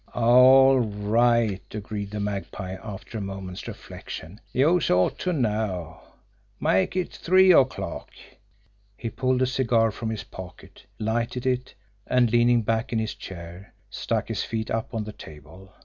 "All right," agreed the Magpie, after a moment's reflection. "Youse ought to know. Make it three o'clock." He pulled a cigar from his pocket, lighted it, and, leaning back in his chair, stuck his feet up on the table.